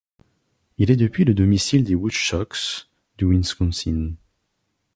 Il est depuis le domicile des Woodchucks du Wisconsin.